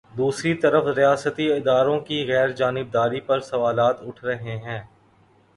دوسری طرف ریاستی اداروں کی غیر جانب داری پر سوالات اٹھ رہے ہیں۔